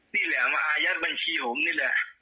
นี่แหละมาอายัดบัญชีผมนี่แหละ